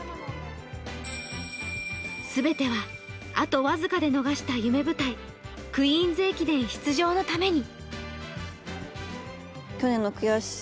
全てはあと僅かで逃した夢舞台、クイーンズ駅伝出場のために。